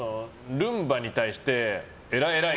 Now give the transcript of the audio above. ルンバに対して、偉い偉い！